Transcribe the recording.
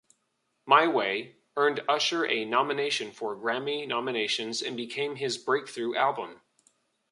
"My Way" earned Usher a nomination for Grammy-nominations and became his breakthrough album.